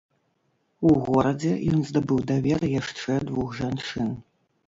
У горадзе ён здабыў давер яшчэ двух жанчын.